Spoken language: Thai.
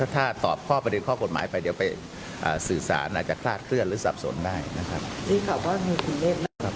ถ้าตอบข้อประเด็นข้อกฎหมายไปเดี๋ยวไปสื่อสารอาจจะคลาดเคลื่อนหรือสับสนได้นะครับ